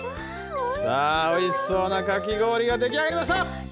さあおいしそうなかき氷が出来上がりました！